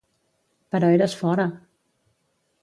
Però eres fora.